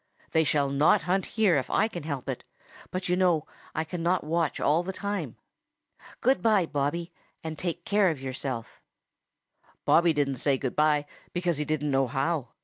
They shall not hunt here if I can help it, but you know I cannot watch all the time. Good by, Bobby, and take care of yourself." Bobby didn't say good by, because he didn't know how.